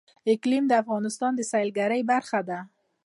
اقلیم د افغانستان د سیلګرۍ برخه ده.